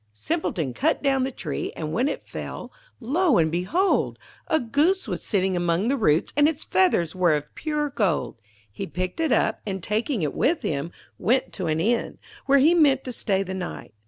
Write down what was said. Simpleton cut down the tree, and when it fell, lo, and behold! a Goose was sitting among the roots, and its feathers were of pure gold. He picked it up, and taking it with him, went to an inn, where he meant to stay the night.